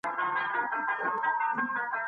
د پانګي تولید ته جدي پاملرنه وکړئ.